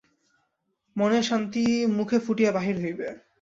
মনের শান্তি মুখে ফুটিয়া বাহির হইবে।